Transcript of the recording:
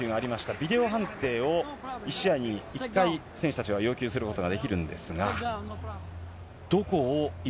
ビデオ判定を１試合に１回、選手たちは要求することができるんですが、どこを今？